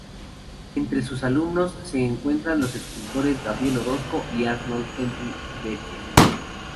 Entre sus alumnos, se encuentran los escultores Gabriel Orozco y Arnold Henry Bergier.